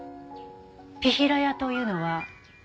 ピヒラヤというのは。